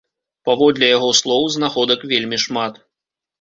Паводле яго слоў, знаходак вельмі шмат.